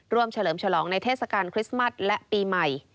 เฉลิมฉลองในเทศกาลคริสต์มัสและปีใหม่